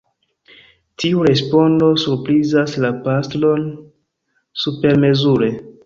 Tiu respondo surprizas la pastron supermezure.